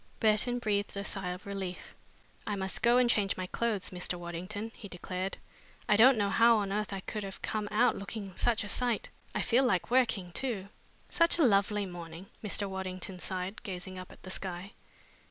Burton breathed a deep sigh of relief. "I must go and change my clothes, Mr. Waddington," he declared. "I don't know how on earth I could have come out looking such a sight. I feel like working, too." "Such a lovely morning!" Mr. Waddington sighed, gazing up at the sky.